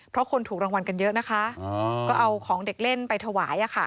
เพราะคนถูกรางวัลกันเยอะนะคะก็เอาของเด็กเล่นไปถวาย